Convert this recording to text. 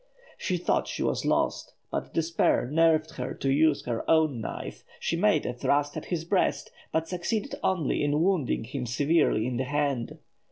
She thought she was lost, but despair nerved her to use her own knife; she made a thrust at his breast, but succeeded only in wounding him severely in the hand.